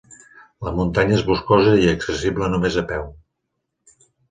La muntanya és boscosa i accessible només a peu.